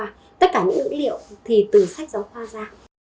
tất cả những lữ liệu thì từ sách giáo khoa ra